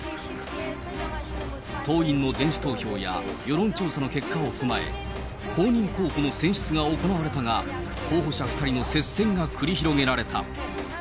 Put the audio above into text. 党員の電子投票や世論調査の結果を踏まえ、公認候補の選出が行われたが、候補者２人の接戦が繰り広げられた。